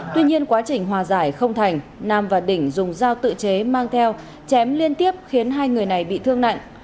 tuy nhiên quá trình hòa giải không thành nam và đỉnh dùng dao tự chế mang theo chém liên tiếp khiến hai người này bị thương nặng